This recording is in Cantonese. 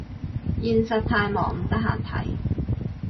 現實太忙唔得閒睇